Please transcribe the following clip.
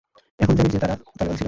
এখন জানি যে তারা তালেবান ছিলো না।